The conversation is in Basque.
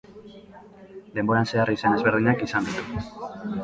Denboran zehar izen ezberdinak izan ditu.